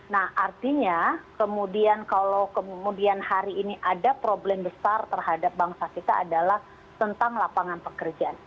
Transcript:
nah artinya kemudian kalau kemudian hari ini ada problem besar terhadap bangsa kita adalah tentang lapangan pekerjaan